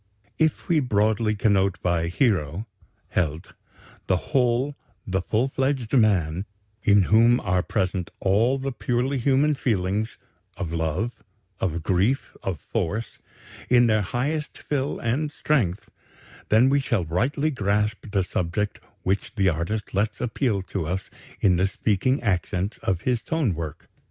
If we broadly connote by 'hero' ('Held') the whole, the full fledged man, in whom are present all the purely human feelings of love, of grief, of force in their highest fill and strength, then we shall rightly grasp the subject which the artist lets appeal to us in the speaking accents of his tone work.